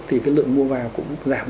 thì cái lượng mua vào cũng đi xuống